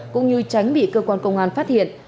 cũng như tránh bị cơ quan công an phát hiện